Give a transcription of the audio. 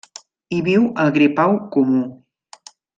Hi viu el gripau comú.